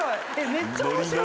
めっちゃ面白い。